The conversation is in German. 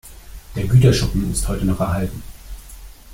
Der Güterschuppen ist heute noch erhalten.